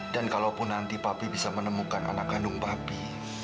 dan kalaupun nanti papi bisa menemukan anak kandung papi